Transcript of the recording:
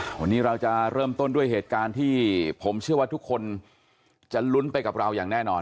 วันนี้เราจะเริ่มต้นด้วยเหตุการณ์ที่ผมเชื่อว่าทุกคนจะลุ้นไปกับเราอย่างแน่นอน